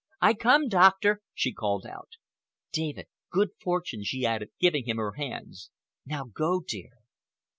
I come, Doctor," she called out. "David, good fortune!" she added, giving him her hands. "Now go, dear."